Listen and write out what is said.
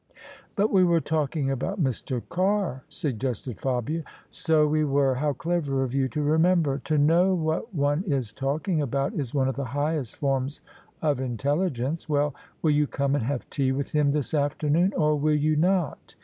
" But we were talking about Mr. Carr," suggested Fabia. "So we were. How clever of you to remember I To know what one is talking about is one of the highest forms of intelligence. Well, will you come and have tea with him this afternoon, or will you not?